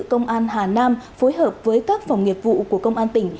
phòng cảnh sát hình sự công an hà nam phối hợp với các phòng nghiệp vụ của công an tỉnh